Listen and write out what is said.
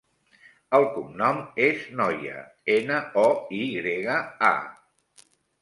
El cognom és Noya: ena, o, i grega, a.